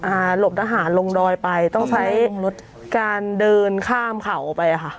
หลบทหารลงดอยไปต้องใช้รถการเดินข้ามเขาไปอ่ะค่ะ